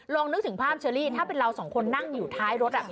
นึกถึงภาพเชอรี่ถ้าเป็นเราสองคนนั่งอยู่ท้ายรถ